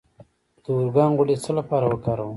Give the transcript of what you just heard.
د ارګان غوړي د څه لپاره وکاروم؟